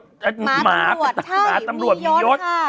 หมาตำรวจใช่มียศค่ะ